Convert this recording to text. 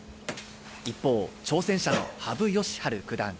一方、挑戦者の羽生善治九段。